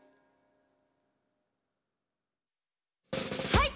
はい！